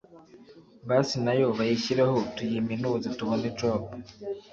basi nayo bayishyireho tuyiminuze tubone job